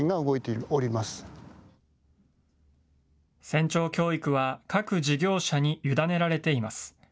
船長教育は各事業者に委ねられています。